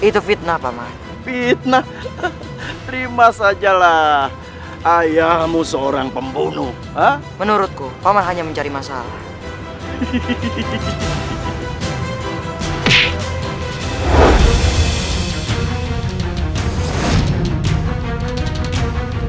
tidak mungkin ayah anda membunuh orang yang tidak berdosa